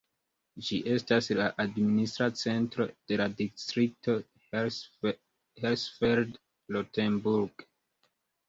Ĝi estas la administra centro de la distrikto Hersfeld-Rotenburg.